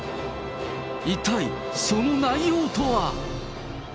一体、その内容とは。